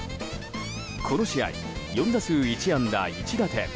この試合、４打数１安打１打点。